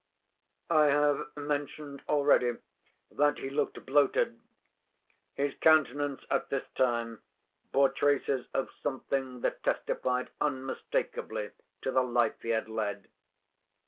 I have mentioned already that he looked bloated. His countenance at this time bore traces of something that testified unmistakably to the life he had led.